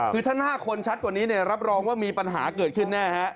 คือถ้า๕คนชัดกว่านี้รับรองว่ามีปัญหาเกิดขึ้นแน่